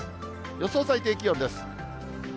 予想最低気温です。